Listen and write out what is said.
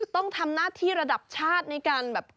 ต้องทำหน้าที่ระดับชาติในการแบบ